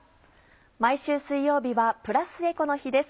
毎週水曜日はプラスエコの日です。